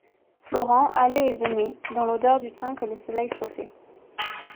Florent allait et venait, dans l’odeur du thym que le soleil chauffait.